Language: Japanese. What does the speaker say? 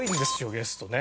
ゲストね。